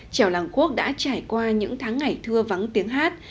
trèo làng khuốc đã trải qua những tháng ngày thưa vắng tiếng hát